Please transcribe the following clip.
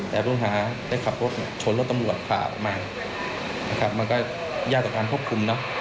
แต่ภูมิหาได้ขับรถชนรถตำรวจขาประมาณมันก็ยากจากการควบคุมเนอะ